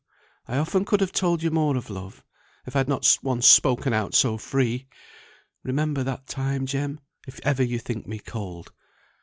I often could have told you more of love, if I had not once spoken out so free. Remember that time, Jem, if ever you think me cold.